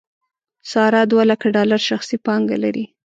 ساره دولکه ډالر شخصي پانګه لري.